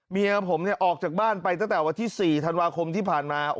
เมียผมออกจากบ้านไปตั้งแต่วันที่๔ธันวาคมที่ผ่านมา